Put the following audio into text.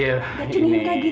kacun hingga gitu